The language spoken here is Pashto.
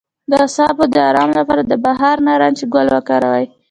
د اعصابو د ارام لپاره د بهار نارنج ګل وکاروئ